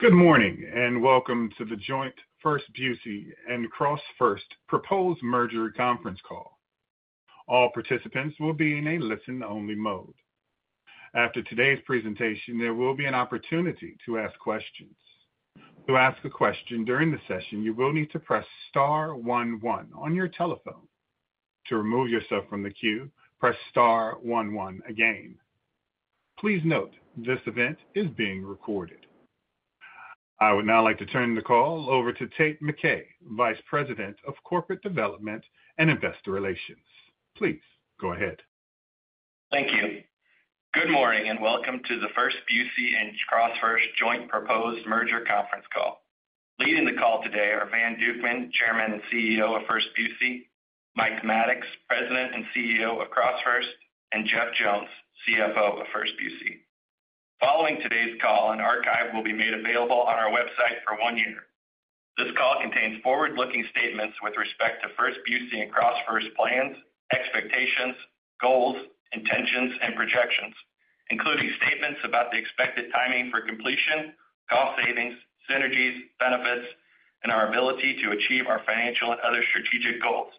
Good morning, and welcome to the joint First Busey and CrossFirst proposed merger conference call. All participants will be in a listen-only mode. After today's presentation, there will be an opportunity to ask questions. To ask a question during the session, you will need to press star one one on your telephone. To remove yourself from the queue, press star one one again. Please note, this event is being recorded. I would now like to turn the call over to Tate McKay, Vice President of Corporate Development and Investor Relations. Please go ahead. Thank you. Good morning, and welcome to the First Busey and CrossFirst joint proposed merger conference call. Leading the call today are Van Dukeman, Chairman and CEO of First Busey, Mike Maddox, President and CEO of CrossFirst, and Jeff Jones, CFO of First Busey. Following today's call, an archive will be made available on our website for one year. This call contains forward-looking statements with respect to First Busey and CrossFirst plans, expectations, goals, intentions, and projections, including statements about the expected timing for completion, cost savings, synergies, benefits, and our ability to achieve our financial and other strategic goals,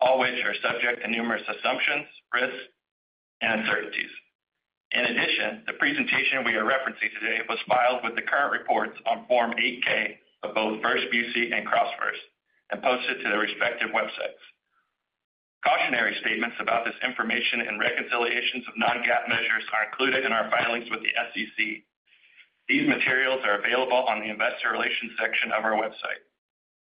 all which are subject to numerous assumptions, risks, and uncertainties. In addition, the presentation we are referencing today was filed with the current reports on Form 8-K of both First Busey and CrossFirst and posted to their respective websites. Cautionary statements about this information and reconciliations of non-GAAP measures are included in our filings with the SEC. These materials are available on the investor relations section of our website.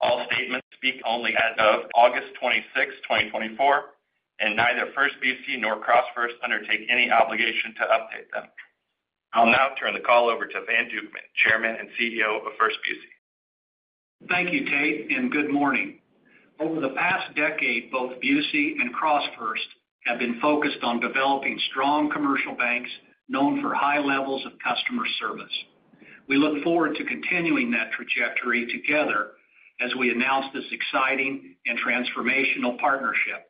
All statements speak only as of August 26, 2024, and neither First Busey nor CrossFirst undertake any obligation to update them. I'll now turn the call over to Van Dukeman, Chairman and CEO of First Busey. Thank you, Tate, and good morning. Over the past decade, both Busey and CrossFirst have been focused on developing strong commercial banks known for high levels of customer service. We look forward to continuing that trajectory together as we announce this exciting and transformational partnership.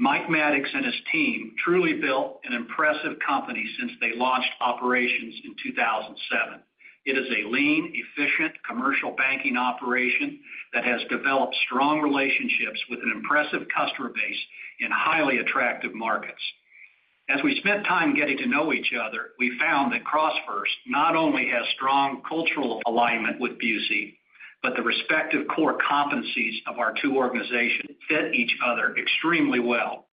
Mike Maddox and his team truly built an impressive company since they launched operations in 2007. It is a lean, efficient commercial banking operation that has developed strong relationships with an impressive customer base in highly attractive markets. As we spent time getting to know each other, we found that CrossFirst not only has strong cultural alignment with Busey, but the respective core competencies of our two organizations fit each other extremely well.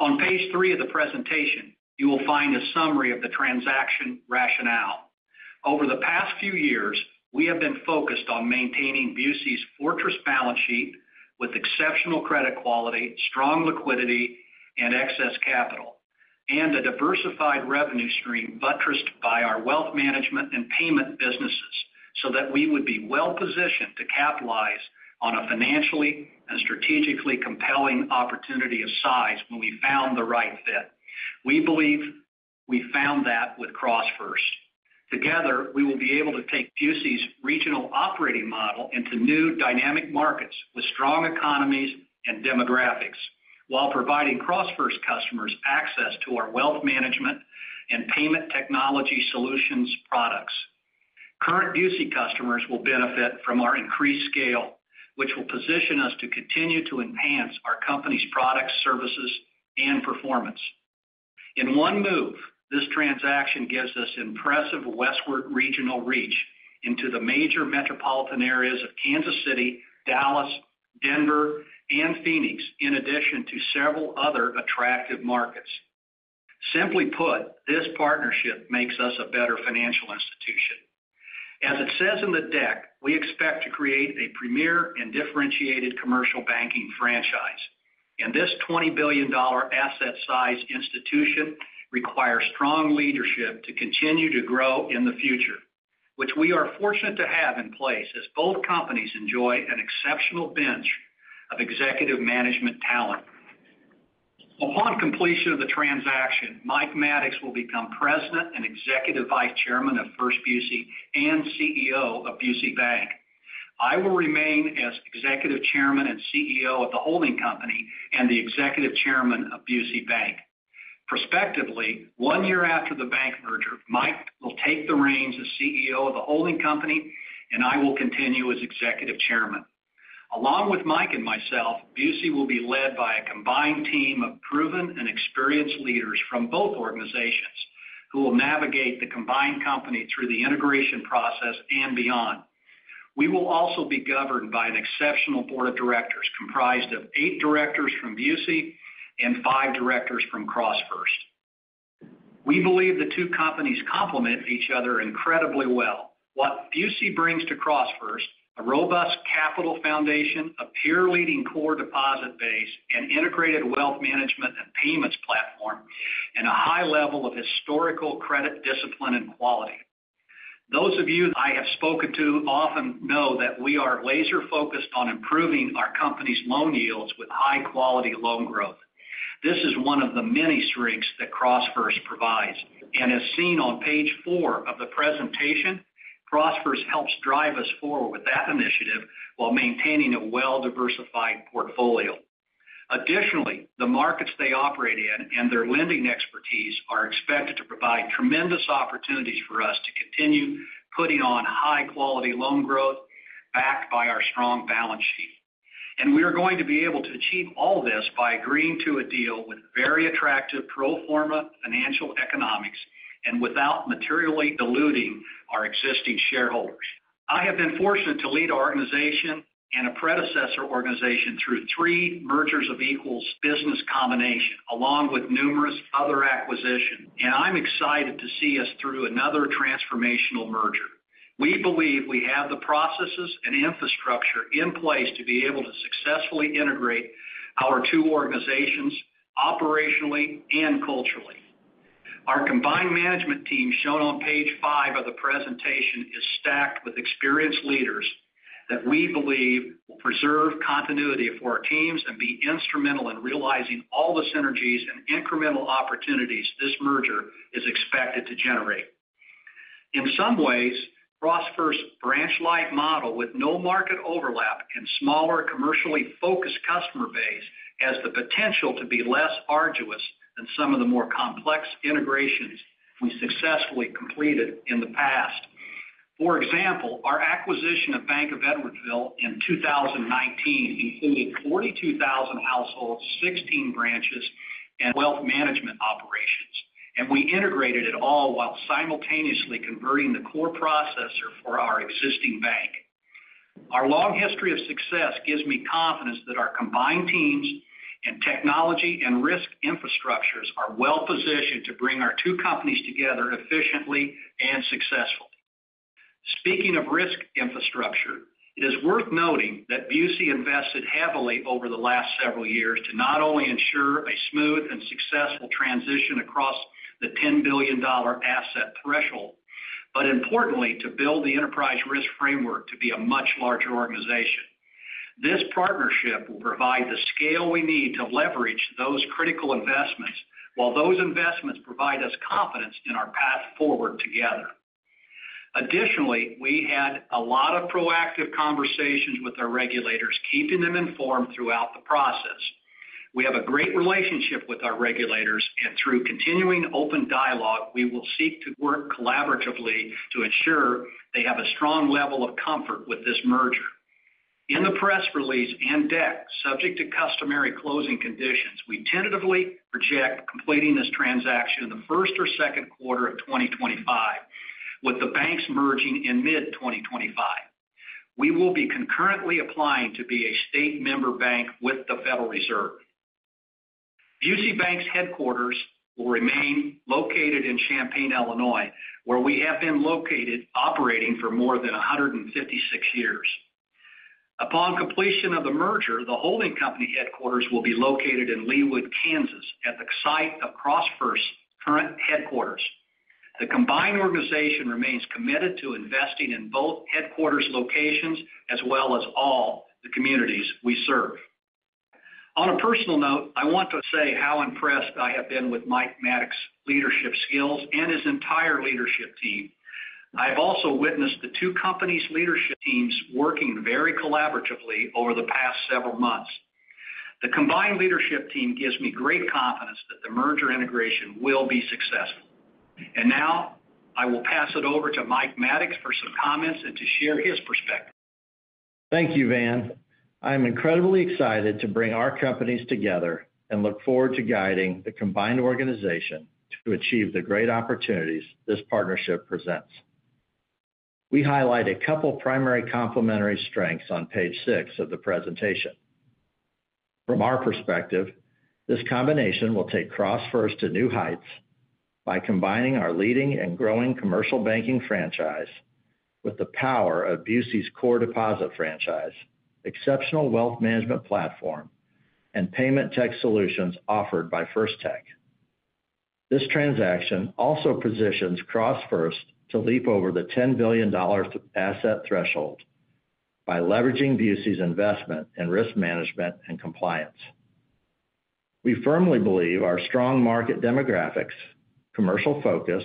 On page three of the presentation, you will find a summary of the transaction rationale. Over the past few years, we have been focused on maintaining Busey's fortress balance sheet with exceptional credit quality, strong liquidity and excess capital, and a diversified revenue stream buttressed by our wealth management and payment businesses, so that we would be well positioned to capitalize on a financially and strategically compelling opportunity of size when we found the right fit. We believe we found that with CrossFirst. Together, we will be able to take Busey's regional operating model into new dynamic markets with strong economies and demographics, while providing CrossFirst customers access to our wealth management and payment technology solutions products. Current Busey customers will benefit from our increased scale, which will position us to continue to enhance our company's products, services, and performance. In one move, this transaction gives us impressive westward regional reach into the major metropolitan areas of Kansas City, Dallas, Denver, and Phoenix, in addition to several other attractive markets. Simply put, this partnership makes us a better financial institution. As it says in the deck, we expect to create a premier and differentiated commercial banking franchise, and this $20 billion asset size institution requires strong leadership to continue to grow in the future, which we are fortunate to have in place as both companies enjoy an exceptional bench of executive management talent. Upon completion of the transaction, Mike Maddox will become President and Executive Vice Chairman of First Busey and CEO of Busey Bank. I will remain as Executive Chairman and CEO of the holding company and the Executive Chairman of Busey Bank. Prospectively, one year after the bank merger, Mike will take the reins as CEO of the holding company, and I will continue as Executive Chairman. Along with Mike and myself, Busey will be led by a combined team of proven and experienced leaders from both organizations who will navigate the combined company through the integration process and beyond. We will also be governed by an exceptional board of directors, comprised of eight directors from Busey and five directors from CrossFirst. We believe the two companies complement each other incredibly well. What Busey brings to CrossFirst, a robust capital foundation, a peer-leading core deposit base, an integrated wealth management and payments platform, and a high level of historical credit, discipline, and quality. Those of you I have spoken to often know that we are laser-focused on improving our company's loan yields with high-quality loan growth. This is one of the many strengths that CrossFirst provides, and as seen on page four of the presentation, CrossFirst helps drive us forward with that initiative while maintaining a well-diversified portfolio. Additionally, the markets they operate in and their lending expertise are expected to provide tremendous opportunities for us to continue putting on high-quality loan growth, backed by our strong balance sheet. We are going to be able to achieve all this by agreeing to a deal with very attractive pro forma financial economics and without materially diluting our existing shareholders. I have been fortunate to lead our organization and a predecessor organization through three mergers of equals business combination, along with numerous other acquisitions, and I'm excited to see us through another transformational merger. We believe we have the processes and infrastructure in place to be able to successfully integrate our two organizations operationally and culturally. Our combined management team, shown on page five of the presentation, is stacked with experienced leaders that we believe will preserve continuity for our teams and be instrumental in realizing all the synergies and incremental opportunities this merger is expected to generate. In some ways, CrossFirst's branch-lite model, with no market overlap and smaller, commercially focused customer base, has the potential to be less arduous than some of the more complex integrations we successfully completed in the past. For example, our acquisition of the Bank of Edwardsville in 2019 included 42,000 households, 16 branches, and wealth management operations, and we integrated it all while simultaneously converting the core processor for our existing bank. Our long history of success gives me confidence that our combined teams and technology and risk infrastructures are well-positioned to bring our two companies together efficiently and successfully. Speaking of risk infrastructure, it is worth noting that Busey invested heavily over the last several years to not only ensure a smooth and successful transition across the $10 billion asset threshold, but importantly, to build the enterprise risk framework to be a much larger organization. This partnership will provide the scale we need to leverage those critical investments, while those investments provide us confidence in our path forward together. Additionally, we had a lot of proactive conversations with our regulators, keeping them informed throughout the process. We have a great relationship with our regulators, and through continuing open dialogue, we will seek to work collaboratively to ensure they have a strong level of comfort with this merger. In the press release and deck, subject to customary closing conditions, we tentatively project completing this transaction in the Q1 or Q2 of twenty twenty-five, with the banks merging in mid-twenty twenty-five. We will be concurrently applying to be a state member bank with the Federal Reserve. Busey Bank's headquarters will remain located in Champaign, Illinois, where we have been located operating for more than 156 years. Upon completion of the merger, the holding company headquarters will be located in Leawood, Kansas, at the site of CrossFirst's current headquarters. The combined organization remains committed to investing in both headquarters locations as well as all the communities we serve. On a personal note, I want to say how impressed I have been with Mike Maddox's leadership skills and his entire leadership team. I've also witnessed the two companies' leadership teams working very collaboratively over the past several months. The combined leadership team gives me great confidence that the merger integration will be successful. And now, I will pass it over to Mike Maddox for some comments and to share his perspective. Thank you, Van. I'm incredibly excited to bring our companies together and look forward to guiding the combined organization to achieve the great opportunities this partnership presents. We highlight a couple primary complementary strengths on page six of the presentation. From our perspective, this combination will take CrossFirst to new heights by combining our leading and growing commercial banking franchise with the power of Busey's core deposit franchise, exceptional wealth management platform, and payment tech solutions offered by FirsTech. This transaction also positions CrossFirst to leap over the $10 billion asset threshold by leveraging Busey's investment in risk management and compliance. We firmly believe our strong market demographics, commercial focus,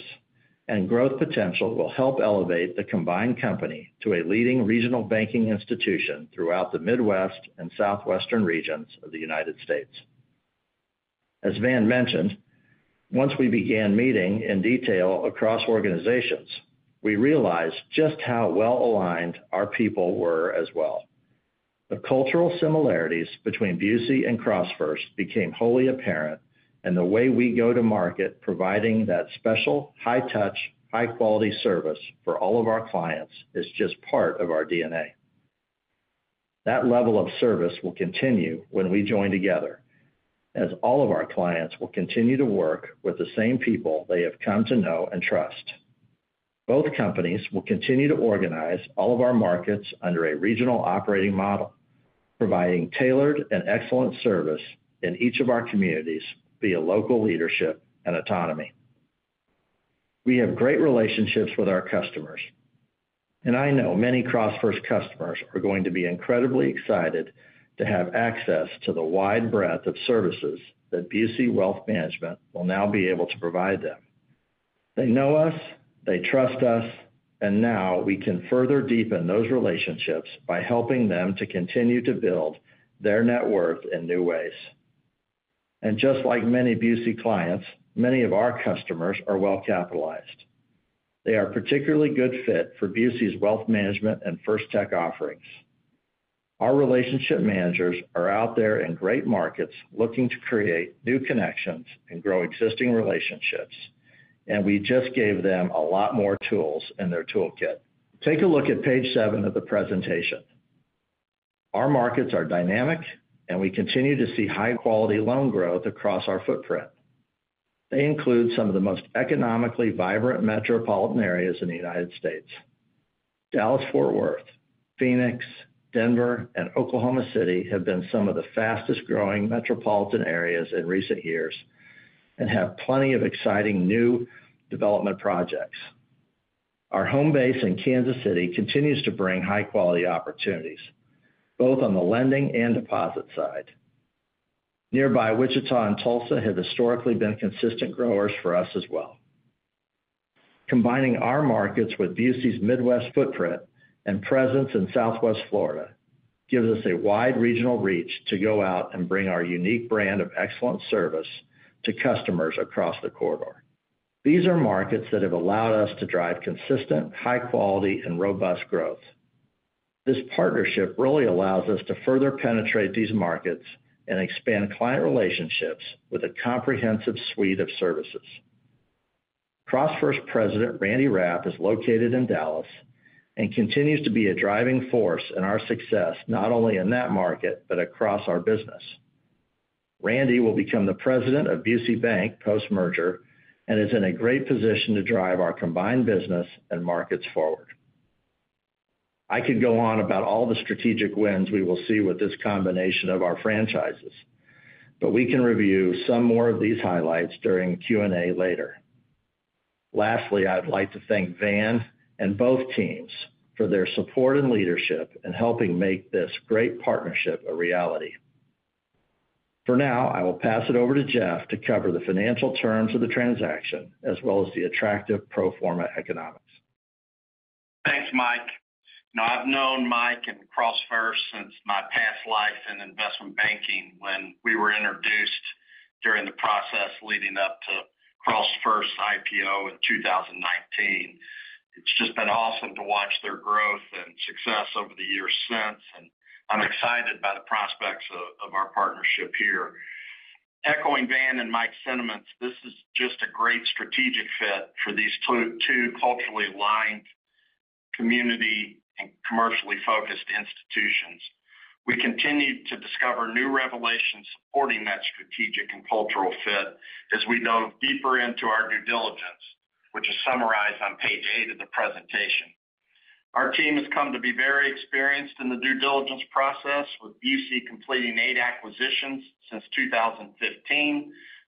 and growth potential will help elevate the combined company to a leading regional banking institution throughout the Midwest and Southwestern regions of the United States. As Van mentioned, once we began meeting in detail across organizations, we realized just how well-aligned our people were as well. The cultural similarities between Busey and CrossFirst became wholly apparent, and the way we go to market, providing that special, high-touch, high-quality service for all of our clients is just part of our DNA. That level of service will continue when we join together, as all of our clients will continue to work with the same people they have come to know and trust. Both companies will continue to organize all of our markets under a regional operating model, providing tailored and excellent service in each of our communities via local leadership and autonomy. We have great relationships with our customers, and I know many CrossFirst customers are going to be incredibly excited to have access to the wide breadth of services that Busey Wealth Management will now be able to provide them... They know us, they trust us, and now we can further deepen those relationships by helping them to continue to build their net worth in new ways. And just like many Busey clients, many of our customers are well-capitalized. They are particularly good fit for Busey's wealth management and FirsTech offerings. Our relationship managers are out there in great markets, looking to create new connections and grow existing relationships, and we just gave them a lot more tools in their toolkit. Take a look at page seven of the presentation. Our markets are dynamic, and we continue to see high-quality loan growth across our footprint. They include some of the most economically vibrant metropolitan areas in the United States. Dallas-Fort Worth, Phoenix, Denver, and Oklahoma City have been some of the fastest-growing metropolitan areas in recent years and have plenty of exciting new development projects. Our home base in Kansas City continues to bring high-quality opportunities, both on the lending and deposit side. Nearby Wichita and Tulsa have historically been consistent growers for us as well. Combining our markets with Busey's Midwest footprint and presence in Southwest Florida, gives us a wide regional reach to go out and bring our unique brand of excellent service to customers across the corridor. These are markets that have allowed us to drive consistent, high quality, and robust growth. This partnership really allows us to further penetrate these markets and expand client relationships with a comprehensive suite of services. CrossFirst President, Randy Rapp, is located in Dallas and continues to be a driving force in our success, not only in that market, but across our business. Randy will become the president of Busey Bank post-merger and is in a great position to drive our combined business and markets forward. I could go on about all the strategic wins we will see with this combination of our franchises, but we can review some more of these highlights during Q&A later. Lastly, I'd like to thank Van and both teams for their support and leadership in helping make this great partnership a reality. For now, I will pass it over to Jeff to cover the financial terms of the transaction, as well as the attractive pro forma economics. Thanks, Mike. Now, I've known Mike and CrossFirst since my past life in investment banking, when we were introduced during the process leading up to CrossFirst's IPO in 2019. It's just been awesome to watch their growth and success over the years since, and I'm excited by the prospects of our partnership here. Echoing Van and Mike's sentiments, this is just a great strategic fit for these two culturally aligned community and commercially focused institutions. We continue to discover new revelations supporting that strategic and cultural fit as we delve deeper into our due diligence, which is summarized on page eight of the presentation. Our team has come to be very experienced in the due diligence process, with Busey completing eight acquisitions since 2015.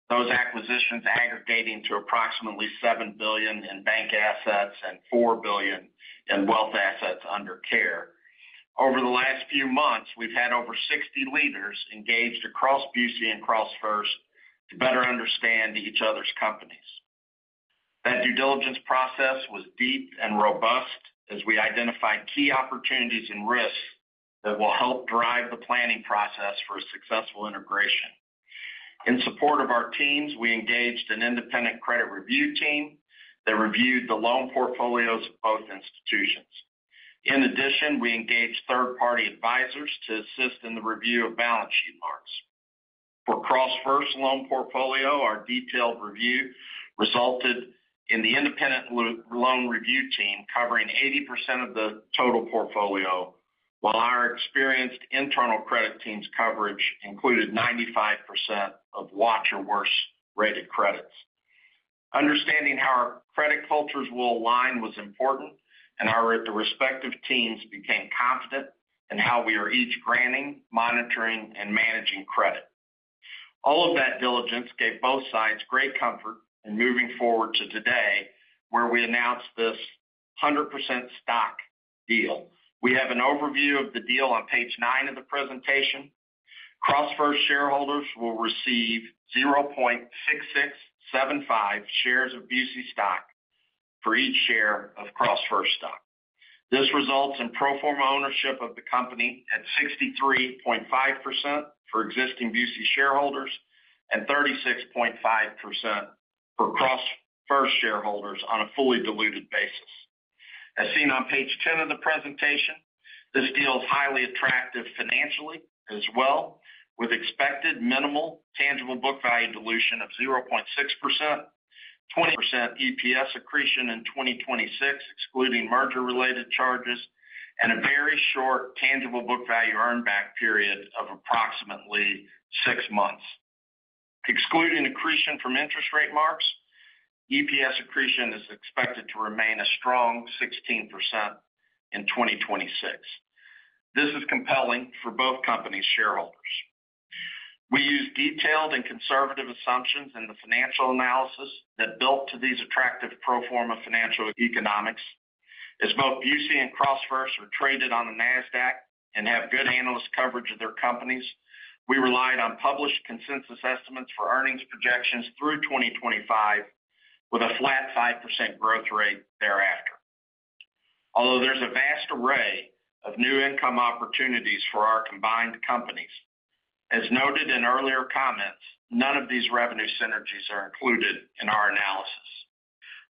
Those acquisitions aggregating to approximately seven billion in bank assets and four billion in wealth assets under care. Over the last few months, we've had over 60 leaders engaged across Busey and CrossFirst to better understand each other's companies. That due diligence process was deep and robust as we identified key opportunities and risks that will help drive the planning process for a successful integration. In support of our teams, we engaged an independent credit review team that reviewed the loan portfolios of both institutions. In addition, we engaged third-party advisors to assist in the review of balance sheet marks. For CrossFirst loan portfolio, our detailed review resulted in the independent loan review team covering 80% of the total portfolio, while our experienced internal credit team's coverage included 95% of watch or worse-rated credits. Understanding how our credit cultures will align was important, and our, the respective teams became confident in how we are each granting, monitoring, and managing credit. All of that diligence gave both sides great comfort in moving forward to today, where we announced this 100% stock deal. We have an overview of the deal on page nine of the presentation. CrossFirst shareholders will receive 0.6675 shares of Busey stock for each share of CrossFirst stock. This results in pro forma ownership of the company at 63.5% for existing Busey shareholders and 36.5% for CrossFirst shareholders on a fully diluted basis. As seen on page 10 of the presentation, this deal is highly attractive financially as well, with expected minimal tangible book value dilution of 0.6%, 20% EPS accretion in 2026, excluding merger-related charges, and a very short tangible book value earn back period of approximately six months. Excluding accretion from interest rate marks, EPS accretion is expected to remain a strong 16% in 2026. This is compelling for both companies' shareholders. We use detailed and conservative assumptions in the financial analysis that built to these attractive pro forma financial economics. As both Busey and CrossFirst are traded on the NASDAQ and have good analyst coverage of their companies, we relied on published consensus estimates for earnings projections through 2025, with a flat 5% growth rate thereafter. Although there's a vast array of new income opportunities for our combined companies, as noted in earlier comments, none of these revenue synergies are included in our analysis.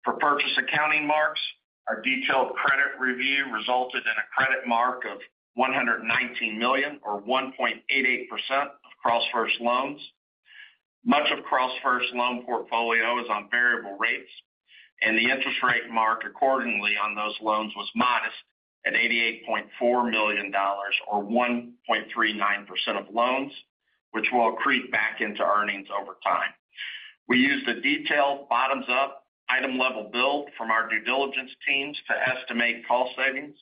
For purchase accounting marks, our detailed credit review resulted in a credit mark of $119 million, or 1.88% of CrossFirst loans. Much of CrossFirst's loan portfolio is on variable rates, and the interest rate mark accordingly on those loans was modest at $88.4 million, or 1.39% of loans, which will accrete back into earnings over time. We used a detailed bottoms-up item-level build from our due diligence teams to estimate cost savings.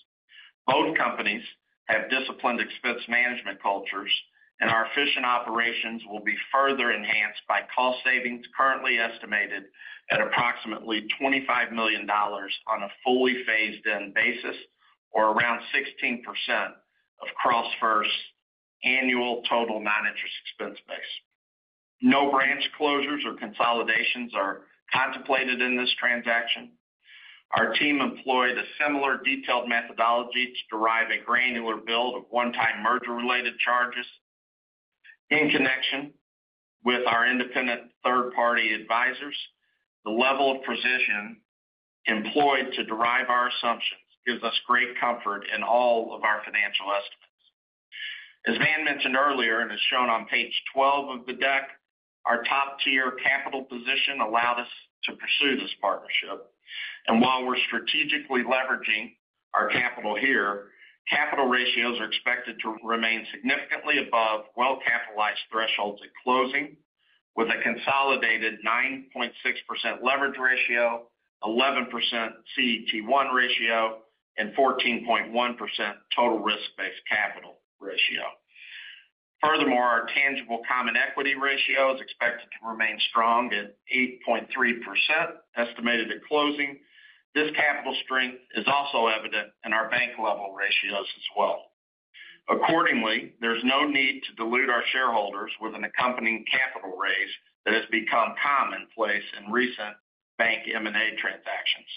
Both companies have disciplined expense management cultures, and our efficient operations will be further enhanced by cost savings, currently estimated at approximately $25 million on a fully phased-in basis, or around 16% of CrossFirst's annual total non-interest expense base. No branch closures or consolidations are contemplated in this transaction. Our team employed a similar detailed methodology to derive a granular build of one-time merger-related charges. In connection with our independent third-party advisors, the level of precision employed to derive our assumptions gives us great comfort in all of our financial estimates. As Van mentioned earlier, and as shown on page 12 of the deck, our top-tier capital position allowed us to pursue this partnership. And while we're strategically leveraging our capital here, capital ratios are expected to remain significantly above well-capitalized thresholds at closing, with a consolidated 9.6% leverage ratio, 11% CET1 ratio, and 14.1% total risk-based capital ratio. Furthermore, our tangible common equity ratio is expected to remain strong at 8.3%, estimated at closing. This capital strength is also evident in our bank-level ratios as well. Accordingly, there's no need to dilute our shareholders with an accompanying capital raise that has become commonplace in recent bank M&A transactions.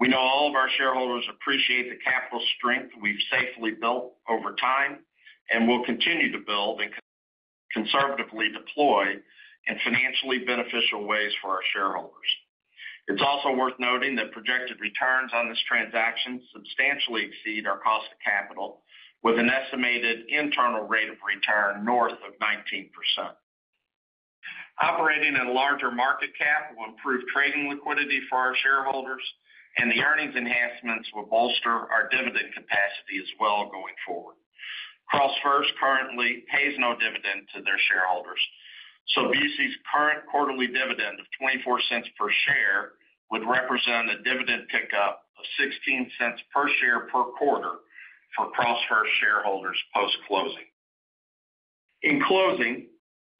We know all of our shareholders appreciate the capital strength we've safely built over time, and we'll continue to build and conservatively deploy in financially beneficial ways for our shareholders. It's also worth noting that projected returns on this transaction substantially exceed our cost of capital, with an estimated internal rate of return north of 19%. Operating in a larger market cap will improve trading liquidity for our shareholders, and the earnings enhancements will bolster our dividend capacity as well going forward. CrossFirst currently pays no dividend to their shareholders, so Busey's current quarterly dividend of $0.24 per share would represent a dividend pickup of $0.16 per share per quarter for CrossFirst shareholders post-closing. In closing,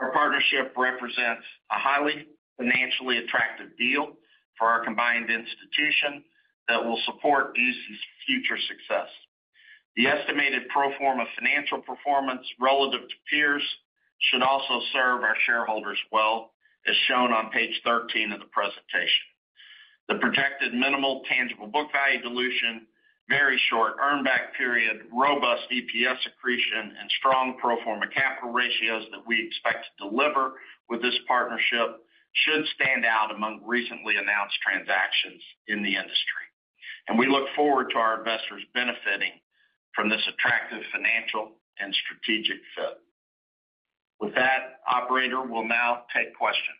our partnership represents a highly financially attractive deal for our combined institution that will support Busey's future success. The estimated pro forma financial performance relative to peers should also serve our shareholders well, as shown on page 13 of the presentation. The projected minimal tangible book value dilution, very short earn back period, robust EPS accretion, and strong pro forma capital ratios that we expect to deliver with this partnership should stand out among recently announced transactions in the industry, and we look forward to our investors benefiting from this attractive financial and strategic fit. With that, operator, we'll now take questions.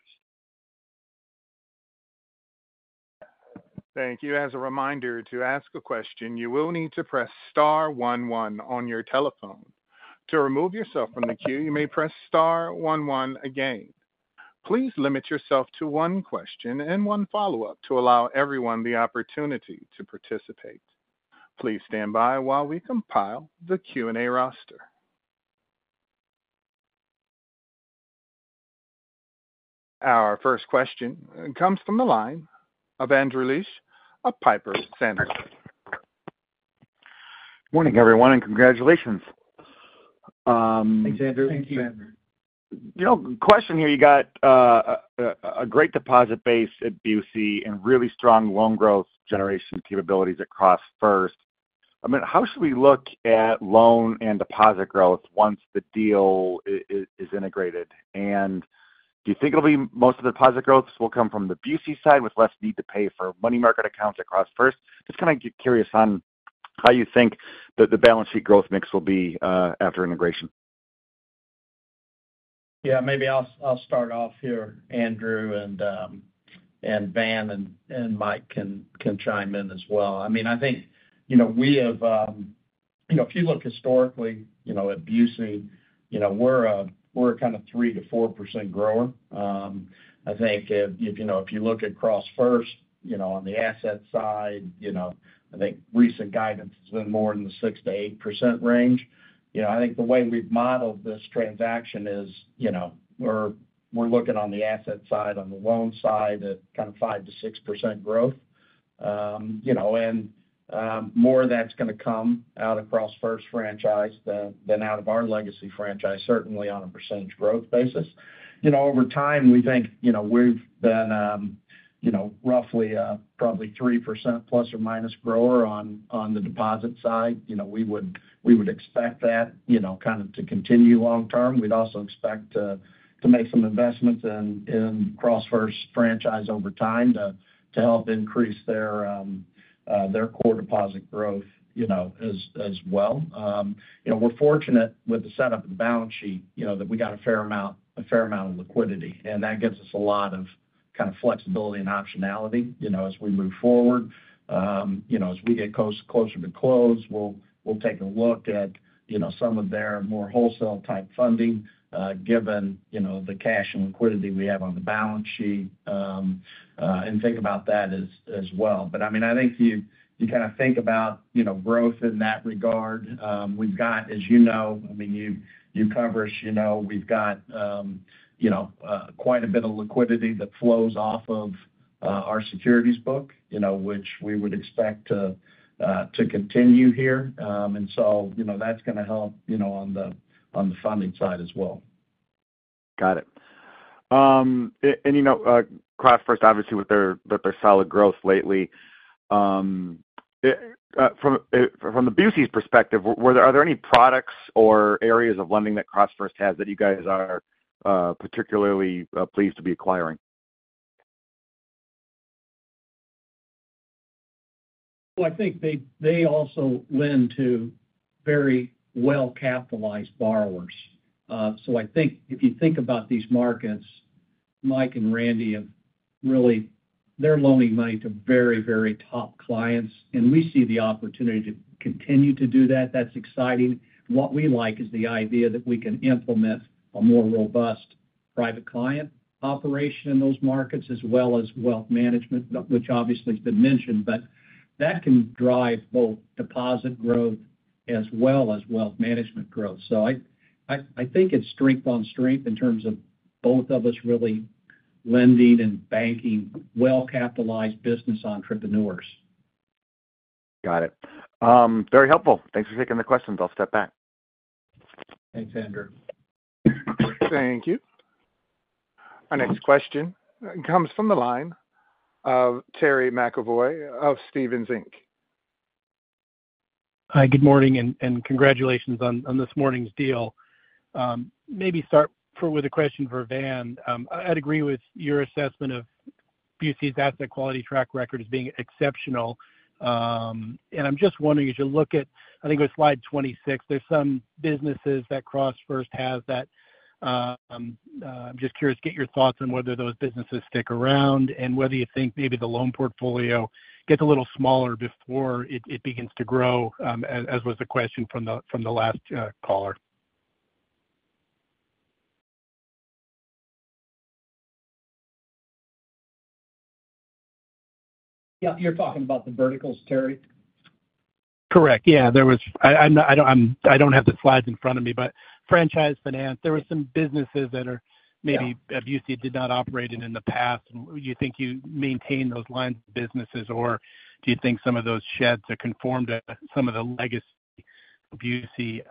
Thank you. As a reminder, to ask a question, you will need to press star one one on your telephone. To remove yourself from the queue, you may press star one one again. Please limit yourself to one question and one follow-up to allow everyone the opportunity to participate. Please stand by while we compile the Q&A roster. Our first question comes from the line of Andrew Liesch of Piper Sandler. Morning, everyone, and congratulations. Thanks, Andrew. You know, question here, you got a great deposit base at Busey and really strong loan growth generation capabilities at CrossFirst. I mean, how should we look at loan and deposit growth once the deal is integrated? And do you think it'll be most of the deposit growth will come from the Busey side, with less need to pay for money market accounts at CrossFirst? Just kind of get curious on how you think that the balance sheet growth mix will be after integration. Yeah, maybe I'll start off here, Andrew, and Van and Mike can join in as well. I mean, I think, you know, we have, you know, if you look historically, you know, at Busey, you know, we're a kind of 3-4% grower. I think if, you know, if you look at CrossFirst, you know, on the asset side, you know, I think recent guidance has been more in the 6-8% range. You know, I think the way we've modeled this transaction is, you know, we're looking on the asset side, on the loan side, at kind of 5-6% growth.... You know, and more of that's gonna come out across First Busey franchise than out of our legacy franchise, certainly on a percentage growth basis. You know, over time, we think, you know, we've been, you know, roughly probably 3% plus or minus grower on the deposit side. You know, we would expect that, you know, kind of to continue long term. We'd also expect to make some investments in CrossFirst franchise over time to help increase their core deposit growth, you know, as well. You know, we're fortunate with the setup and balance sheet, you know, that we got a fair amount of liquidity, and that gives us a lot of kind of flexibility and optionality, you know, as we move forward. You know, as we get closer to close, we'll take a look at, you know, some of their more wholesale-type funding, given, you know, the cash and liquidity we have on the balance sheet, and think about that as well. But, I mean, I think you kind of think about, you know, growth in that regard. We've got, as you know, I mean, you cover us, you know, we've got quite a bit of liquidity that flows off of our securities book, you know, which we would expect to continue here. And so, you know, that's gonna help, you know, on the funding side as well. Got it. And, you know, CrossFirst, obviously, with their solid growth lately, from the Busey's perspective, are there any products or areas of lending that CrossFirst has that you guys are particularly pleased to be acquiring? I think they also lend to very well-capitalized borrowers. So I think if you think about these markets, Mike and Randy have really... They're loaning money to very, very top clients, and we see the opportunity to continue to do that. That's exciting. What we like is the idea that we can implement a more robust private client operation in those markets, as well as wealth management, which obviously has been mentioned. But that can drive both deposit growth as well as wealth management growth. I think it's strength on strength in terms of both of us really lending and banking well-capitalized business entrepreneurs. Got it. Very helpful. Thanks for taking the questions. I'll step back. Thanks, Andrew. Thank you. Our next question comes from the line of Terry McEvoy of Stephens Inc. Hi, good morning, and congratulations on this morning's deal. Maybe start with a question for Van. I'd agree with your assessment of Busey's asset quality track record as being exceptional. I'm just wondering, as you look at, I think it was slide 26, there's some businesses that CrossFirst has that, I'm just curious to get your thoughts on whether those businesses stick around and whether you think maybe the loan portfolio gets a little smaller before it begins to grow, as was the question from the last caller. Yeah, you're talking about the verticals, Terry? Correct. Yeah, there was... I don't have the slides in front of me, but franchise finance, there were some businesses that are maybe- Yeah... Busey did not operate in the past. Do you think you maintain those lines of businesses, or do you think some of those threads are conformed to some of the legacy of Busey?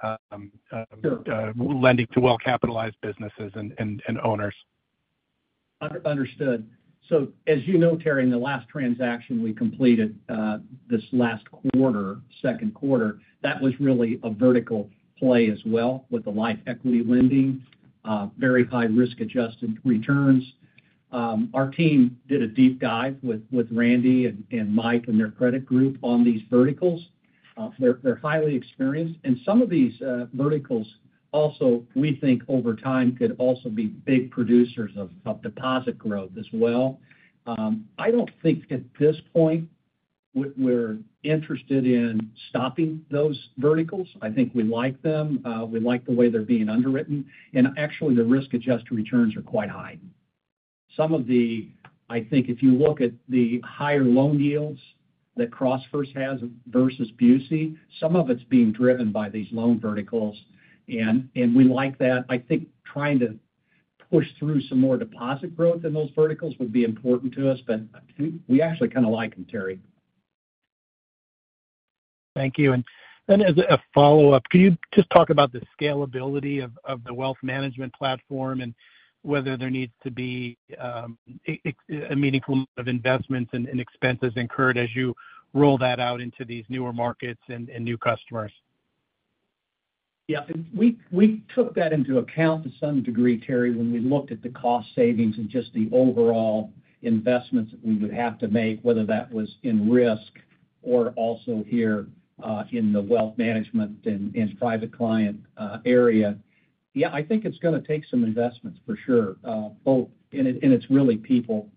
Sure... lending to well-capitalized businesses and owners? Understood. So as you know, Terry, in the last transaction we completed this last quarter, Q2, that was really a vertical play as well, with the Life Equity lending, very high risk-adjusted returns. Our team did a deep dive with Randy and Mike and their credit group on these verticals. They're highly experienced. And some of these verticals also, we think over time, could also be big producers of deposit growth as well. I don't think at this point we're interested in stopping those verticals. I think we like them. We like the way they're being underwritten, and actually the risk-adjusted returns are quite high. Some of the... I think if you look at the higher loan yields that CrossFirst has versus Busey, some of it's being driven by these loan verticals, and we like that. I think trying to push through some more deposit growth in those verticals would be important to us, but we actually kind of like them, Terry. Thank you. And then as a follow-up, can you just talk about the scalability of the wealth management platform and whether there needs to be a meaningful level of investments and expenses incurred as you roll that out into these newer markets and new customers? Yeah. We took that into account to some degree, Terry, when we looked at the cost savings and just the overall investments that we would have to make, whether that was in risk or also here in the wealth management and private client area. Yeah, I think it's gonna take some investments, for sure, both. And it's really people.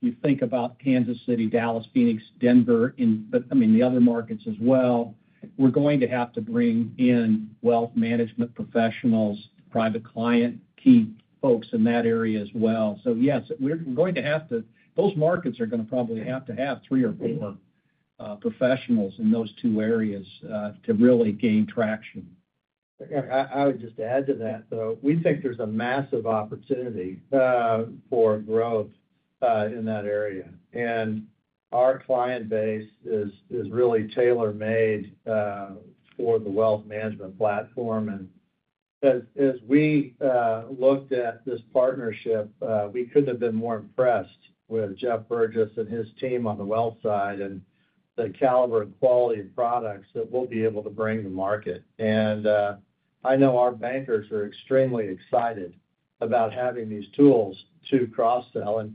You think about Kansas City, Dallas, Phoenix, Denver, and but I mean the other markets as well. We're going to have to bring in wealth management professionals, private client key folks in that area as well. So yes, we're going to have to. Those markets are gonna probably have to have three or four professionals in those two areas to really gain traction. I would just add to that, though, we think there's a massive opportunity for growth in that area, and our client base is really tailor-made for the wealth management platform, and as we looked at this partnership, we couldn't have been more impressed with Jeff Burgess and his team on the wealth side, and the caliber and quality of products that we'll be able to bring to market, and I know our bankers are extremely excited about having these tools to cross-sell.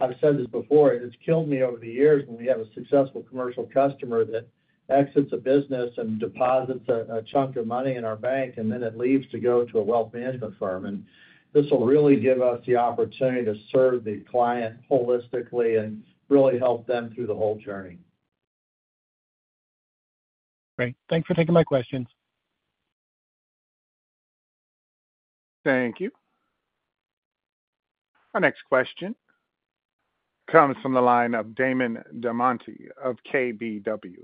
I've said this before, it's killed me over the years when we have a successful commercial customer that exits a business and deposits a chunk of money in our bank, and then it leaves to go to a wealth management firm. This will really give us the opportunity to serve the client holistically and really help them through the whole journey. Great. Thanks for taking my questions. Thank you. Our next question comes from the line of Damon DelMonte of KBW.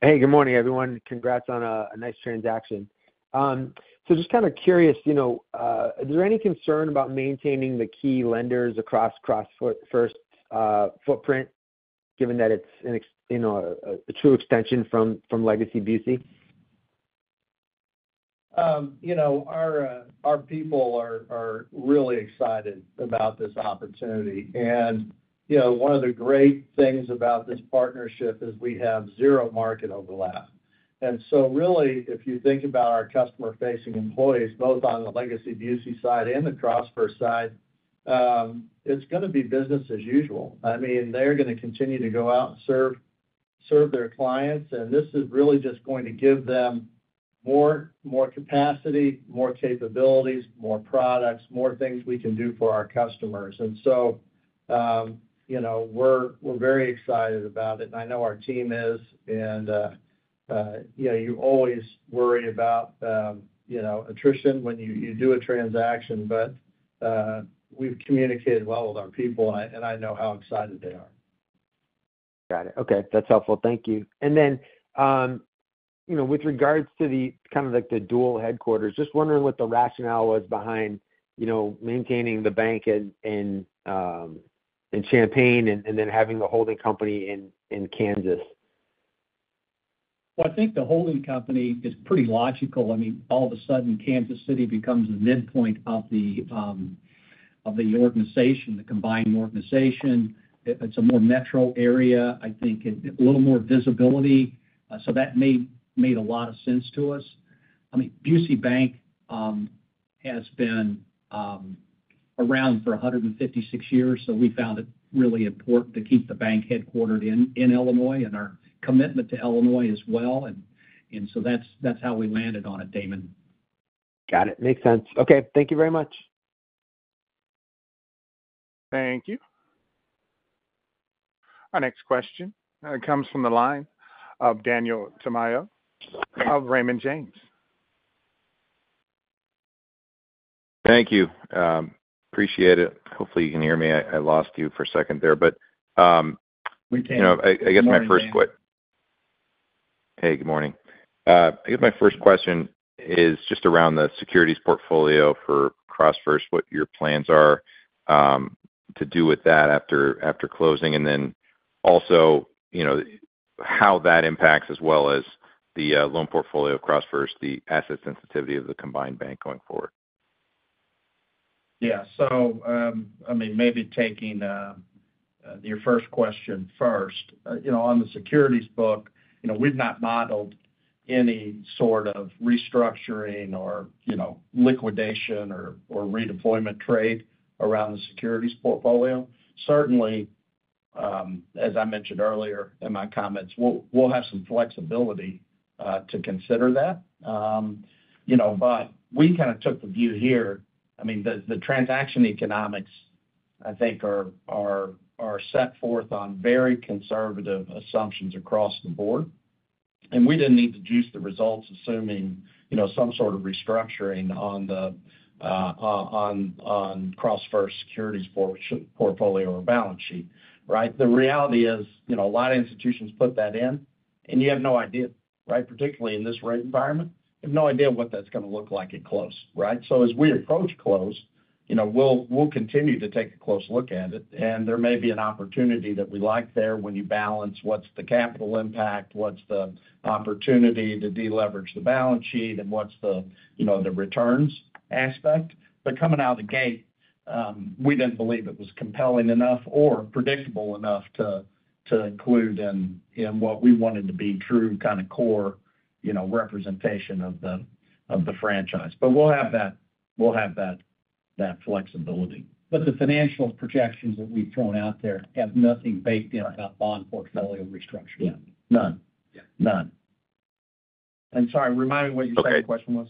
Hey, good morning, everyone. Congrats on a nice transaction. So just kind of curious, you know, is there any concern about maintaining the key lenders across CrossFirst footprint, given that it's a true extension from Legacy Busey? You know, our people are really excited about this opportunity. You know, one of the great things about this partnership is we have zero market overlap. So really, if you think about our customer-facing employees, both on the legacy Busey side and the CrossFirst side, it's gonna be business as usual. I mean, they're gonna continue to go out and serve their clients, and this is really just going to give them more capacity, more capabilities, more products, more things we can do for our customers. So, you know, we're very excited about it, and I know our team is. You know, you always worry about, you know, attrition when you do a transaction, but we've communicated well with our people, and I know how excited they are. Got it. Okay, that's helpful. Thank you. And then, you know, with regards to the kind of like the dual headquarters, just wondering what the rationale was behind, you know, maintaining the bank in Champaign and then having the holding company in Kansas? I think the holding company is pretty logical. I mean, all of a sudden, Kansas City becomes the midpoint of the organization, the combining organization. It's a more metro area, I think, a little more visibility. So that made a lot of sense to us. I mean, Busey Bank has been around for a 156 years, so we found it really important to keep the bank headquartered in Illinois, and our commitment to Illinois as well, and so that's how we landed on it, Damon. Got it. Makes sense. Okay, thank you very much. Thank you. Our next question comes from the line of Daniel Tamayo of Raymond James. Thank you. Appreciate it. Hopefully, you can hear me. I lost you for a second there, but- We can. You know, I guess my first que- Good morning, Dan. Hey, good morning. I guess my first question is just around the securities portfolio for CrossFirst, what your plans are, to do with that after closing, and then also, you know, how that impacts, as well as the loan portfolio of CrossFirst, the asset sensitivity of the combined bank going forward. Yeah. So, I mean, maybe taking your first question first. You know, on the securities book, you know, we've not modeled any sort of restructuring or, you know, liquidation or redeployment trade around the securities portfolio. Certainly, as I mentioned earlier in my comments, we'll have some flexibility to consider that. You know, but we kind of took the view here. I mean, the transaction economics, I think, are set forth on very conservative assumptions across the board, and we didn't need to juice the results, assuming, you know, some sort of restructuring on the CrossFirst securities portfolio or balance sheet, right? The reality is, you know, a lot of institutions put that in, and you have no idea, right? Particularly in this right environment, you have no idea what that's gonna look like at close, right? So as we approach close, you know, we'll continue to take a close look at it, and there may be an opportunity that we like there when you balance what's the capital impact, what's the opportunity to deleverage the balance sheet, and what's the, you know, the returns aspect. But coming out of the gate, we didn't believe it was compelling enough or predictable enough to include in what we wanted to be true, kind of core, you know, representation of the franchise. But we'll have that flexibility. But the financial projections that we've thrown out there have nothing baked in about bond portfolio restructuring. Yeah. None. Yeah. None. And sorry, remind me what your second question was.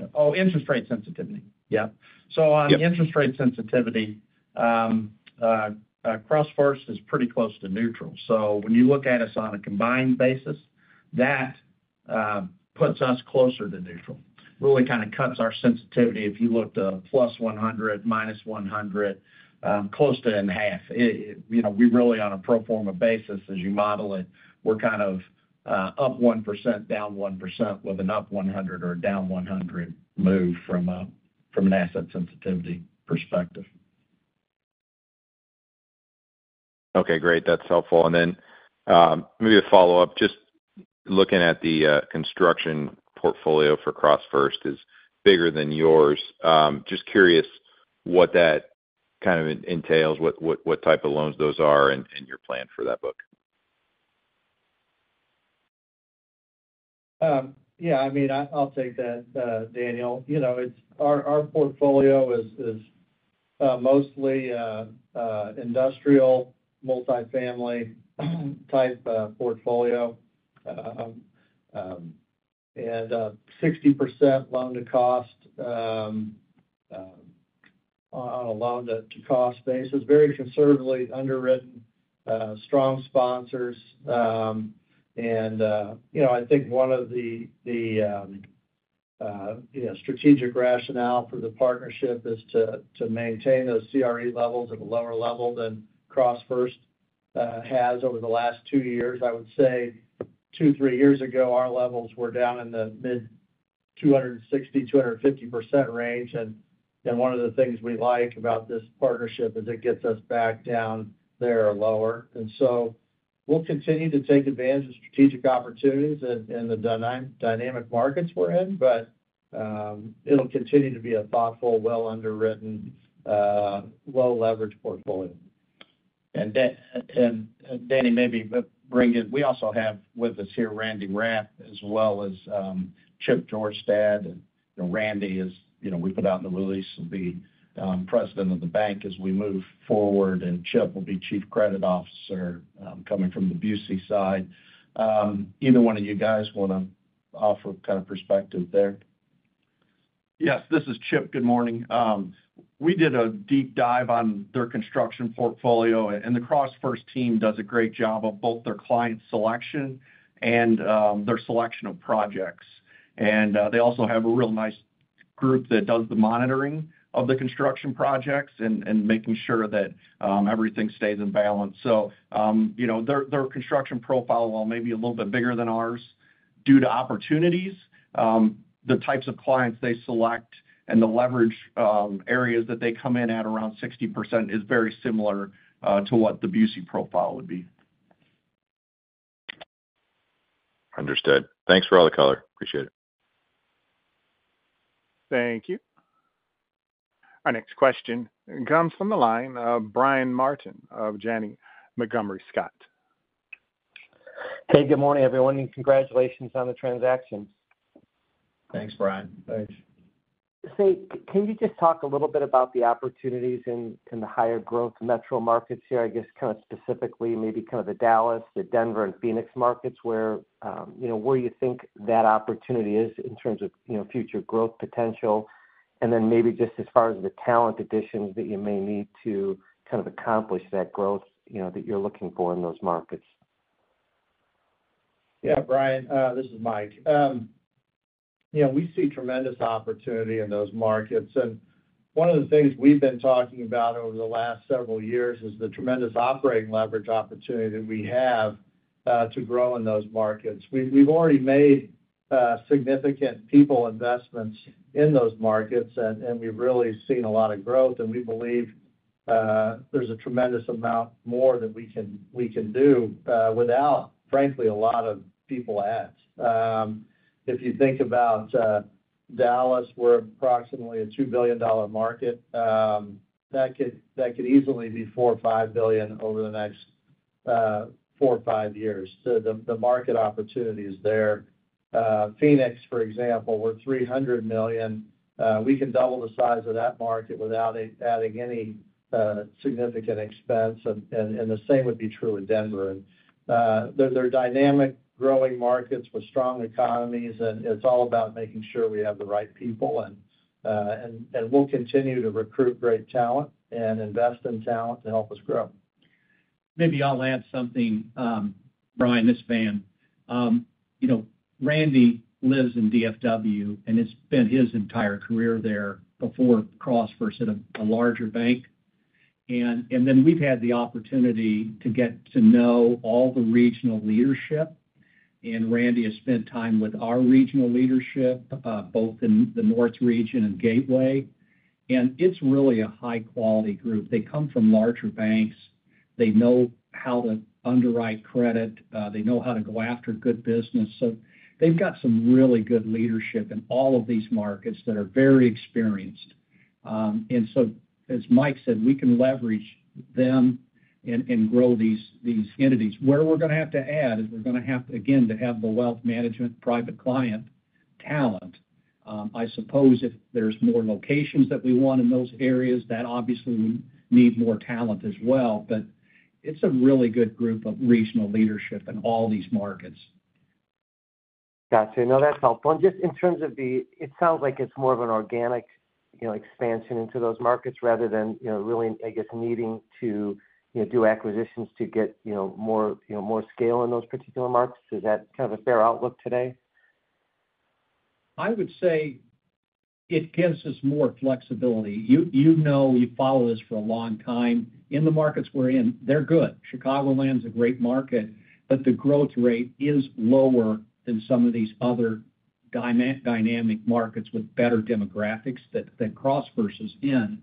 Okay. Oh, interest rate sensitivity. Yeah. Yep. So on interest rate sensitivity, CrossFirst is pretty close to neutral. So when you look at us on a combined basis, that-... puts us closer to neutral. Really kind of cuts our sensitivity if you looked at plus 100, minus 100, close to in half. It, you know, we really, on a pro forma basis as you model it, we're kind of, up 1%, down 1% with an up 100 or down 100 move from an asset sensitivity perspective. Okay, great. That's helpful. Then, maybe a follow-up, just looking at the construction portfolio for CrossFirst is bigger than yours. Just curious what that kind of entails, what type of loans those are, and your plan for that book? Yeah, I mean, I'll take that, Daniel. You know, it's our portfolio is mostly industrial, multifamily type portfolio. And 60% loan-to-cost on a loan-to-cost basis, very conservatively underwritten, strong sponsors. And you know, I think one of the strategic rationale for the partnership is to maintain those CRE levels at a lower level than CrossFirst has over the last two years. I would say two, three years ago, our levels were down in the mid-260, 250% range. And one of the things we like about this partnership is it gets us back down there or lower. We'll continue to take advantage of strategic opportunities in the dynamic markets we're in. But it'll continue to be a thoughtful, well underwritten, low-leverage portfolio. We also have with us here Randy Rapp, as well as Chip Jorstad. And Randy is, you know, we put out in the release, will be president of the bank as we move forward, and Chip will be Chief Credit Officer, coming from the Busey side. Either one of you guys want to offer kind of perspective there? Yes, this is Chip. Good morning. We did a deep dive on their construction portfolio, and the CrossFirst team does a great job of both their client selection and their selection of projects, and they also have a real nice group that does the monitoring of the construction projects and making sure that everything stays in balance, so you know, their construction profile, while maybe a little bit bigger than ours, due to opportunities, the types of clients they select and the leverage areas that they come in at around 60% is very similar to what the Busey profile would be. Understood. Thanks for all the color. Appreciate it. Thank you. Our next question comes from the line of Brian Martin of Janney Montgomery Scott. Hey, good morning, everyone, and congratulations on the transaction. Thanks, Brian. Thanks. So can you just talk a little bit about the opportunities in the higher growth metro markets here, I guess, kind of specifically, maybe kind of the Dallas, the Denver, and Phoenix markets, where, you know, where you think that opportunity is in terms of, you know, future growth potential? And then maybe just as far as the talent additions that you may need to kind of accomplish that growth, you know, that you're looking for in those markets. Yeah, Brian, this is Mike. You know, we see tremendous opportunity in those markets, and one of the things we've been talking about over the last several years is the tremendous operating leverage opportunity that we have to grow in those markets. We've already made significant people investments in those markets, and we've really seen a lot of growth, and we believe there's a tremendous amount more that we can do without, frankly, a lot of people add. If you think about Dallas, we're approximately a $2 billion market. That could easily be $4-$5 billion over the next four or five years, so the market opportunity is there. Phoenix, for example, we're $300 million. We can double the size of that market without adding any significant expense, and the same would be true in Denver. We'll continue to recruit great talent and invest in talent to help us grow. Maybe I'll add something, Brian, this is Van. You know, Randy lives in DFW and has spent his entire career there before CrossFirst at a larger bank. And then we've had the opportunity to get to know all the regional leadership, and Randy has spent time with our regional leadership, both in the North region and Gateway. And it's really a high-quality group. They come from larger banks. They know how to underwrite credit. They know how to go after good business. So they've got some really good leadership in all of these markets that are very experienced. And so, as Mike said, we can leverage them and grow these entities. Where we're going to have to add is we're going to have, again, to have the wealth management, private client talent. I suppose if there's more locations that we want in those areas, that obviously would need more talent as well, but it's a really good group of regional leadership in all these markets. Got you. No, that's helpful. And just in terms of the... it sounds like it's more of an organic... you know, expansion into those markets rather than, you know, really, I guess, needing to, you know, do acquisitions to get, you know, more, you know, more scale in those particular markets. Is that kind of a fair outlook today? I would say it gives us more flexibility. You know, you've followed us for a long time. In the markets we're in, they're good. Chicagoland's a great market, but the growth rate is lower than some of these other dynamic markets with better demographics that CrossFirst is in.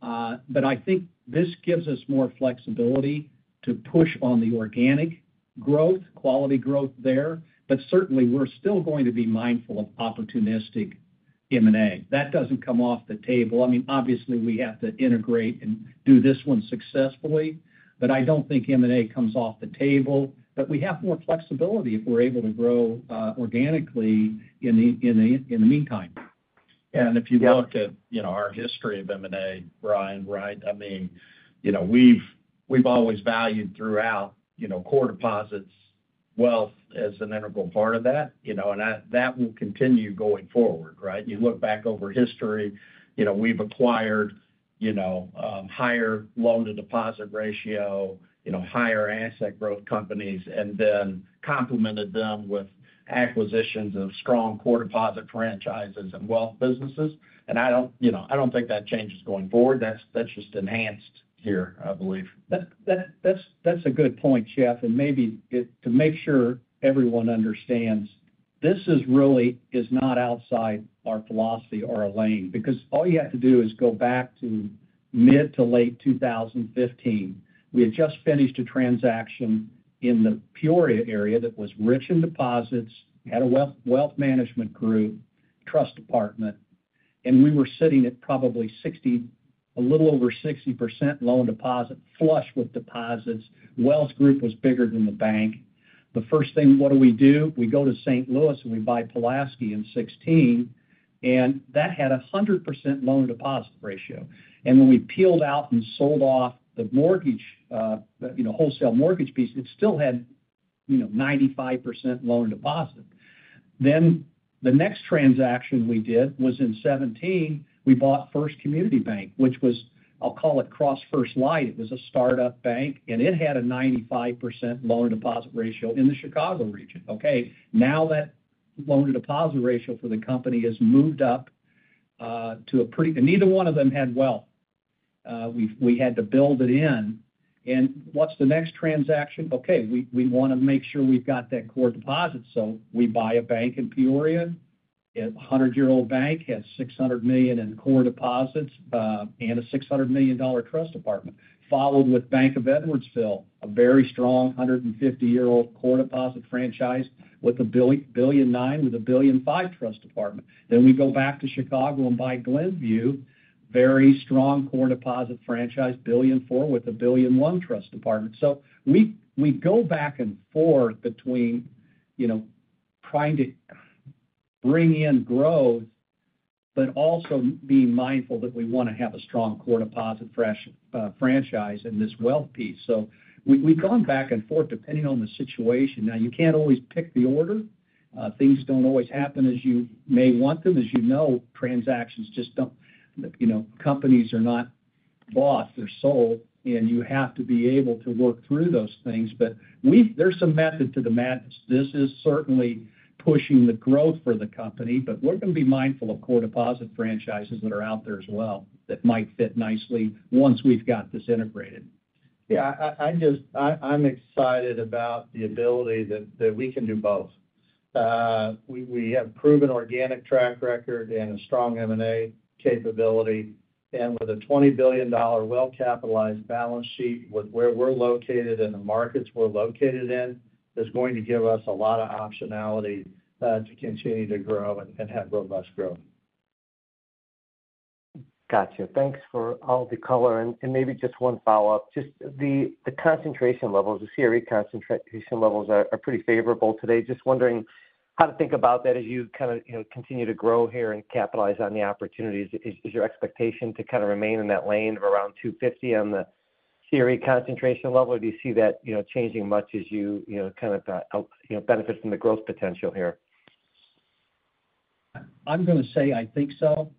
But I think this gives us more flexibility to push on the organic growth, quality growth there. But certainly, we're still going to be mindful of opportunistic M&A. That doesn't come off the table. I mean, obviously, we have to integrate and do this one successfully, but I don't think M&A comes off the table. But we have more flexibility if we're able to grow organically in the meantime. And if you look at, you know, our history of M&A, Brian, right? I mean, you know, we've always valued throughout, you know, core deposits, wealth as an integral part of that, you know, and that will continue going forward, right? You look back over history, you know, we've acquired, you know, higher loan-to-deposit ratio, you know, higher asset growth companies, and then complemented them with acquisitions of strong core deposit franchises and wealth businesses. And I don't, you know, I don't think that changes going forward. That's just enhanced here, I believe. That's a good point, Jeff. And maybe to make sure everyone understands, this really is not outside our philosophy or our lane. Because all you have to do is go back to mid to late 2015. We had just finished a transaction in the Peoria area that was rich in deposits, had a wealth management group, trust department, and we were sitting at probably 60%, a little over 60% loan deposit, flush with deposits. Wealth group was bigger than the bank. The first thing, what do we do? We go to St. Louis, and we buy Pulaski in 2016, and that had a 100% loan-to-deposit ratio. And when we peeled out and sold off the mortgage, you know, wholesale mortgage piece, it still had, you know, 95% loan-to-deposit. Then, the next transaction we did was in 2017. We bought First Community Bank, which was, I'll call it CrossFirst Lite. It was a startup bank, and it had a 95% loan-to-deposit ratio in the Chicago region. Now that loan-to-deposit ratio for the company has moved up to a pretty... And neither one of them had wealth. We had to build it in. What's the next transaction? We wanna make sure we've got that core deposit, so we buy a bank in Peoria. A 100-year-old bank, has $600 million in core deposits, and a $600 million trust department, followed with The Bank of Edwardsville, a very strong, 150-year-old core deposit franchise with a $1.9 billion, with a $1.5 billion trust department. Then we go back to Chicago and buy Glenview State Bank, very strong core deposit franchise, $1.4 billion with a $1.1 billion trust department. So we go back and forth between, you know, trying to bring in growth, but also being mindful that we wanna have a strong core deposit franchise in this wealth piece. So we've gone back and forth, depending on the situation. Now, you can't always pick the order. Things don't always happen as you may want them. As you know, transactions just don't, you know, companies are not bought, they're sold, and you have to be able to work through those things. But we've, there's some method to the madness. This is certainly pushing the growth for the company, but we're gonna be mindful of core deposit franchises that are out there as well, that might fit nicely once we've got this integrated. Yeah, I just... I'm excited about the ability that we can do both. We have proven organic track record and a strong M&A capability. And with a $20 billion well-capitalized balance sheet, with where we're located and the markets we're located in, is going to give us a lot of optionality to continue to grow and have robust growth. Gotcha. Thanks for all the color. And maybe just one follow-up. Just the concentration levels, the CRE concentration levels are pretty favorable today. Just wondering how to think about that as you kind of, you know, continue to grow here and capitalize on the opportunities. Is your expectation to kind of remain in that lane of around two fifty on the CRE concentration level, or do you see that, you know, changing much as you, you know, kind of, you know, benefit from the growth potential here? I'm gonna say I think so.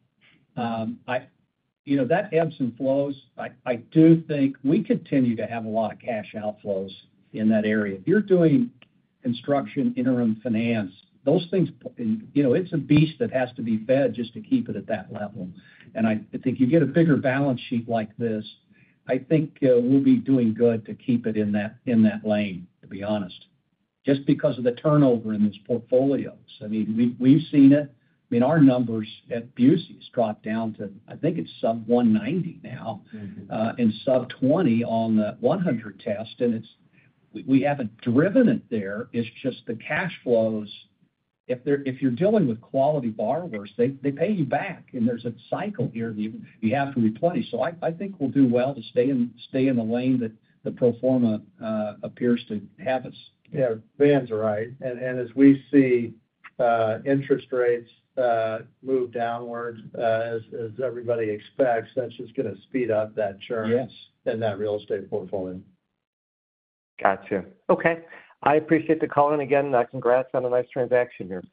You know, that ebbs and flows. I do think we continue to have a lot of cash outflows in that area. If you're doing construction, interim finance, those things, you know, it's a beast that has to be fed just to keep it at that level. And I think you get a bigger balance sheet like this, I think, we'll be doing good to keep it in that lane, to be honest, just because of the turnover in those portfolios. I mean, we've seen it. I mean, our numbers at Busey's dropped down to, I think it's sub-90 now, and sub-20 on the 100 test, and it's. We haven't driven it there. It's just the cash flows. If you're dealing with quality borrowers, they pay you back, and there's a cycle here that you have to replace. So I think we'll do well to stay in the lane that the pro forma appears to have us. Yeah, Van's right. And as we see, interest rates move downwards, as everybody expects, that's just gonna speed up that churn- Yes in that real estate portfolio.... Gotcha. Okay, I appreciate the call in again, and, congrats on a nice transaction here.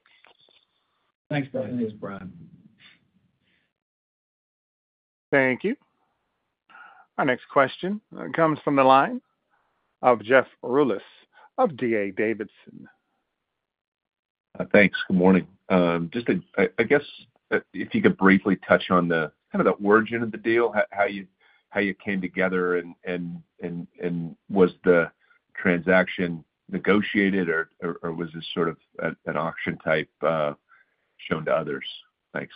Thanks, Brian. Thanks, Brian. Thank you. Our next question comes from the line of Jeff Rulis of D.A. Davidson. Thanks. Good morning. Just, I guess, if you could briefly touch on the kind of the origin of the deal, how you came together and was the transaction negotiated or was this sort of an auction type shown to others? Thanks.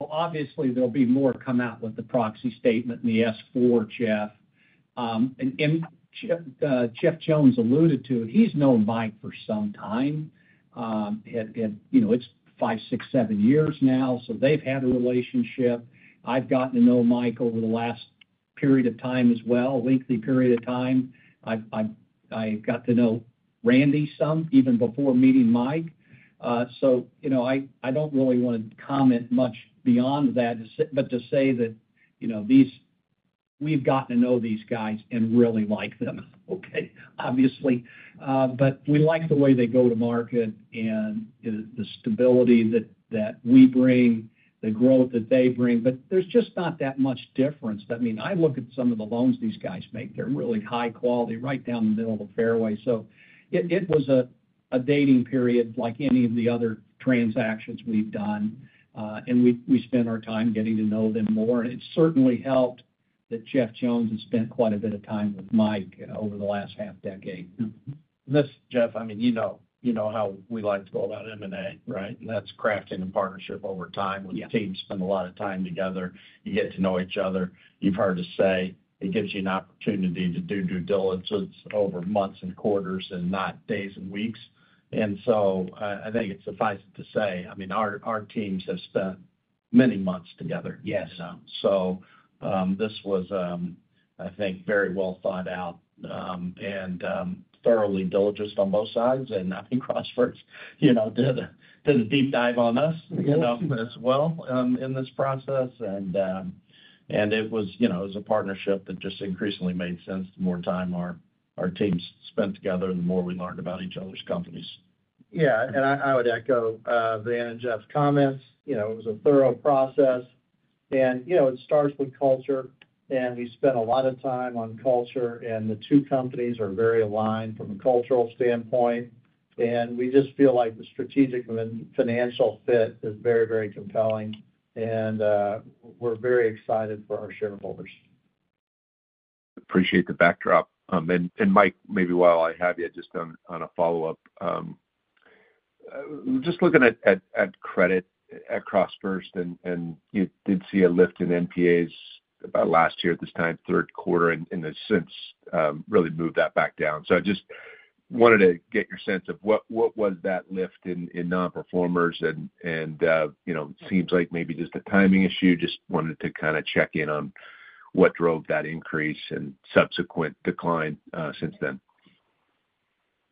Obviously, there'll be more come out with the proxy statement and the S-4, Jeff. And Jeff Jones alluded to it. He's known Mike for some time. You know, it's five, six, seven years now, so they've had a relationship. I've gotten to know Mike over the last period of time as well, lengthy period of time. I got to know Randy some, even before meeting Mike. So, you know, I don't really wanna comment much beyond that, but to say that, you know, these, we've gotten to know these guys and really like them, okay? Obviously, but we like the way they go to market and the stability that we bring, the growth that they bring. But there's just not that much difference. I mean, I look at some of the loans these guys make, they're really high quality, right down the middle of the fairway. So it was a dating period like any of the other transactions we've done. And we spent our time getting to know them more. And it certainly helped that Jeff Jones has spent quite a bit of time with Mike over the last half decade. This, Jeff, I mean, you know, you know how we like to go about M&A, right? And that's crafting a partnership over time. Yeah. When the team spend a lot of time together, you get to know each other. You've heard us say, it gives you an opportunity to do due diligence over months and quarters and not days and weeks. And so, I think it suffices to say, I mean, our teams have spent many months together. Yes. So, this was, I think, very well thought out and thoroughly diligent on both sides. And I think CrossFirst, you know, did a deep dive on us, you know, as well in this process. And it was, you know, it was a partnership that just increasingly made sense the more time our teams spent together and the more we learned about each other's companies. Yeah, and I would echo Van and Jeff's comments. You know, it was a thorough process. And, you know, it starts with culture, and we spent a lot of time on culture, and the two companies are very aligned from a cultural standpoint. And we just feel like the strategic and then financial fit is very, very compelling, and we're very excited for our shareholders. Appreciate the backdrop. Mike, maybe while I have you, just on a follow-up. Just looking at credit at CrossFirst, and you did see a lift in NPAs about last year at this time, Q3, and has since really moved that back down, so I just wanted to get your sense of what was that lift in non-performers and, you know, seems like maybe just a timing issue. Just wanted to kinda check in on what drove that increase and subsequent decline since then.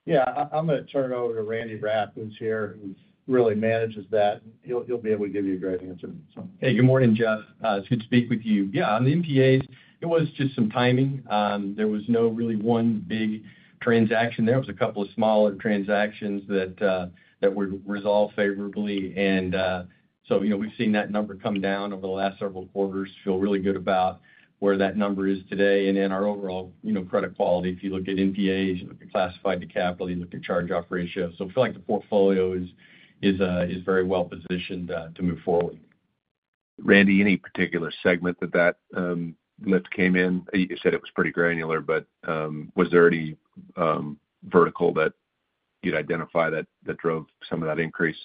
Yeah. I'm gonna turn it over to Randy Rapp, who's here, who really manages that. He'll be able to give you a great answer, so. Hey, good morning, Jeff. It's good to speak with you. Yeah, on the NPAs, it was just some timing. There was no really one big transaction there. It was a couple of smaller transactions that that were resolved favorably. And so, you know, we've seen that number come down over the last several quarters. Feel really good about where that number is today and in our overall, you know, credit quality. If you look at NPAs, you look at classified to capital, you look at charge-off ratios. So I feel like the portfolio is is very well positioned to move forward. Randy, any particular segment that lift came in? You said it was pretty granular, but, was there any vertical that you'd identify that drove some of that increase?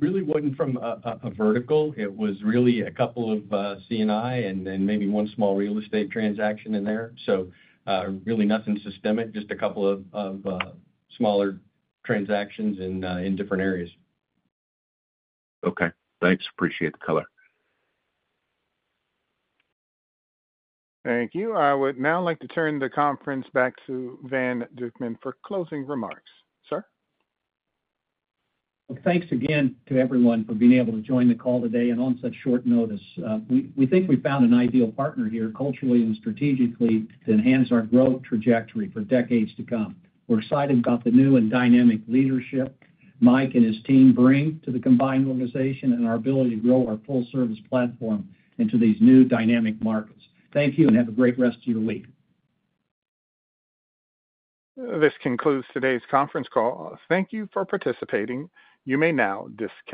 Really wasn't from a vertical. It was really a couple of C&I and maybe one small real estate transaction in there. So, really nothing systemic, just a couple of smaller transactions in different areas. Okay. Thanks. Appreciate the color. Thank you. I would now like to turn the conference back to Van A. Dukeman for closing remarks. Sir? Thanks again to everyone for being able to join the call today and on such short notice. We think we've found an ideal partner here, culturally and strategically, to enhance our growth trajectory for decades to come. We're excited about the new and dynamic leadership Mike and his team bring to the combined organization and our ability to grow our full service platform into these new dynamic markets. Thank you, and have a great rest of your week. This concludes today's conference call. Thank you for participating. You may now disconnect.